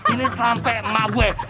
ini selampe emak gue